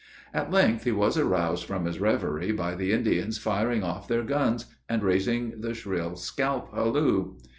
At length he was aroused from his reverie by the Indians firing off their guns, and raising the shrill scalp halloo.